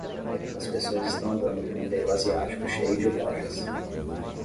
As pessoas estão andando por um beco asiático cheio de lojas.